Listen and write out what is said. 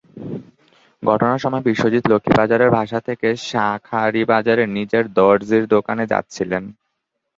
ঘটনার সময় বিশ্বজিৎ লক্ষ্মীবাজারের বাসা থেকে শাঁখারীবাজারে নিজের দরজির দোকানে যাচ্ছিলেন।